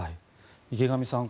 池上さん